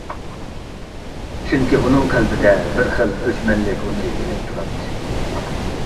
چۈنكى ئۇنىڭ قەلبىدە بىر خىل ئۆچمەنلىك ئوتى يېنىپ تۇراتتى.